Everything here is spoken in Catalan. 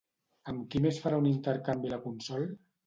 Amb qui més farà un intercanvi la Consol?